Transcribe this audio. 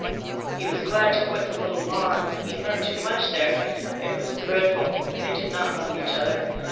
He was glad to quit the little lawn. He had learnt too much there. It was dreadful: they did not love each other.